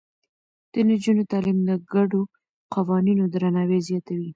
د نجونو تعليم د ګډو قوانينو درناوی زياتوي.